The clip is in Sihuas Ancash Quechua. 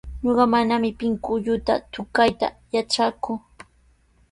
Ñuqa manami pinkulluta tukayta yatraaku.